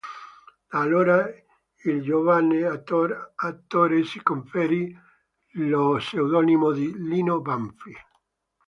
Da allora il giovane attore si conferì lo pseudonimo di Lino Banfi.